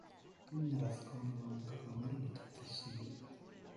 のみならず顔の真ん中があまりに突起している